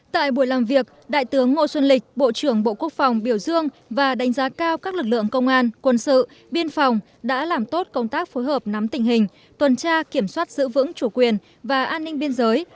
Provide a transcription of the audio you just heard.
tại buổi làm việc đại tướng ngô xuân lịch bộ trưởng bộ quốc phòng biểu dương và đánh giá cao các lực lượng công an quân sự biên phòng đã làm tốt công tác phối hợp nắm tình hình tuần tra kiểm soát giữ vững chủ quyền và an ninh biên giới